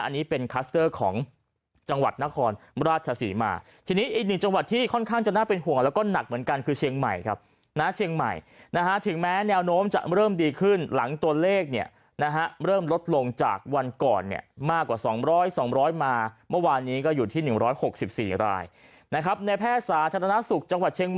อันนี้เป็นคัสเตอร์ของจังหวัดนครราชศรีมาทีนี้อีกหนึ่งจังหวัดที่ค่อนข้างจะน่าเป็นห่วงแล้วก็หนักเหมือนกันคือเชียงใหม่ครับนะเชียงใหม่นะฮะถึงแม้แนวโน้มจะเริ่มดีขึ้นหลังตัวเลขเนี่ยนะฮะเริ่มลดลงจากวันก่อนเนี่ยมากกว่า๒๐๐๒๐๐มาเมื่อวานนี้ก็อยู่ที่๑๖๔รายนะครับในแพทย์สาธารณสุขจังหวัดเชียงใหม่